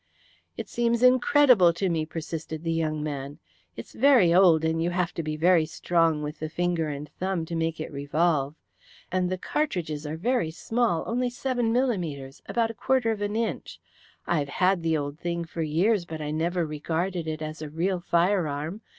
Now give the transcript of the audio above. "It seems incredible to me," persisted the young man. "It's very old, and you have to be very strong with the finger and thumb to make it revolve. And the cartridges are very small; only seven millimetres about a quarter of an inch. I've had the old thing for years, but I never regarded it as a real fire arm.